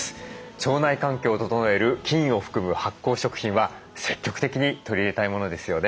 腸内環境を整える菌を含む発酵食品は積極的に取り入れたいものですよね。